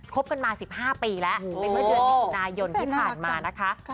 บกันมา๑๕ปีแล้วในเมื่อเดือนมิถุนายนที่ผ่านมานะคะ